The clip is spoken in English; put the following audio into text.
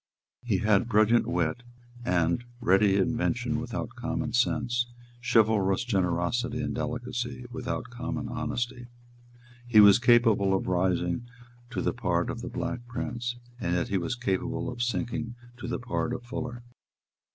He had brilliant wit and ready invention without common sense, and chivalrous generosity and delicacy without common honesty. He was capable of rising to the part of the Black Prince; and yet he was capable of sinking to the part of Fuller.